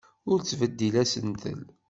Ur ttbeddil asentel.